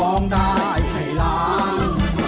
ร้องได้ให้ล้าน